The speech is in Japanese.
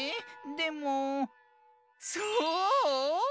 でもそう？